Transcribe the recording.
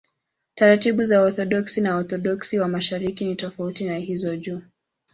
Taratibu za Waorthodoksi na Waorthodoksi wa Mashariki ni tofauti na hizo juu.